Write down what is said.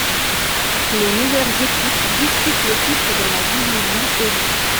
Les meilleures équipes disputent le titre dans la Division Élite.